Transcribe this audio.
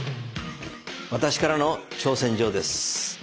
私からの挑戦状です。